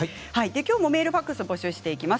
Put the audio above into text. きょうもメールファックス募集していきます。